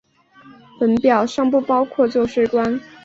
本表尚不包括旧税关。